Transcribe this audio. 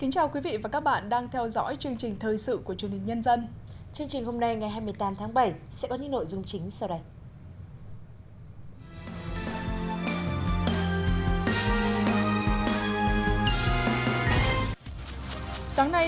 chương trình hôm nay ngày hai mươi tám tháng bảy sẽ có những nội dung chính sau đây